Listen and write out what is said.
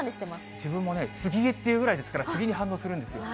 自分もね、杉江っていうぐらいですから、スギに反応するんですよ。